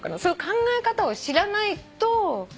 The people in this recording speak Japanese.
考え方を知らないと。